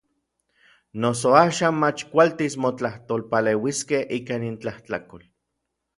Noso axan mach kualtis motlajtolpaleuiskej ikan intlajtlakol.